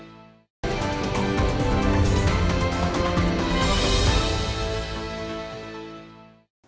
terima kasih pak